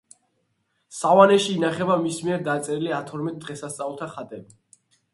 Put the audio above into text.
სავანეში ინახება მის მიერ დაწერილი ათორმეტ დღესასწაულთა ხატები.